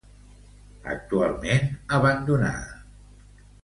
Actualment abandonada.